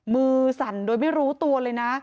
สั่นโดยไม่รู้ตัวเลยนะ